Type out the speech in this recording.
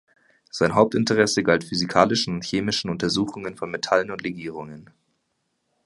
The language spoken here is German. Sein Hauptinteresse galt physikalischen und chemischen Untersuchungen von Metallen und Legierungen.